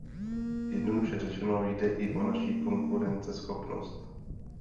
Jednoduše řečeno, jde i o naši konkurenceschopnost.